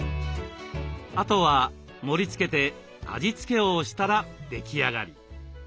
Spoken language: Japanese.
あとは盛りつけて味付けをしたら出来上がり。